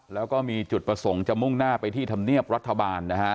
แล้วก็มีจุดประสงค์จะมุ่งหน้าไปที่ธรรมเนียบรัฐบาลนะฮะ